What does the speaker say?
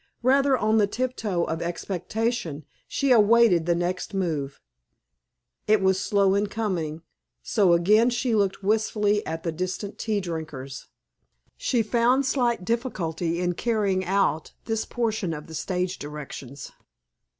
Rather on the tiptoe of expectation, she awaited the next move. It was slow in coming, so again she looked wistfully at the distant tea drinkers. She found slight difficulty in carrying out this portion of the stage directions.